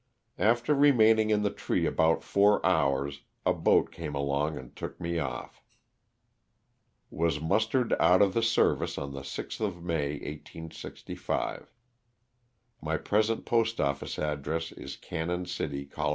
After remaining in the tree about four hours, a boat came along and took me olT. Was mustered out of the service on the 6th of May, 1865. My present postoffice address is Canon City, Col.